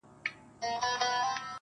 هلته د ژوند تر آخري سرحده.